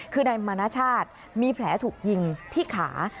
คือนายมณชาติมีแผลถูกยิงที่ขา